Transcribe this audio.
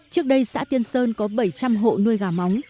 trước đây xã tiên sơn có bảy trăm linh hộ nuôi gà móng